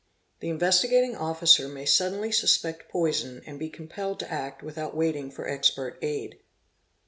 'The Investigating Officer may suddenly suspect poison and be compelled t0 act without waiting for expert aid.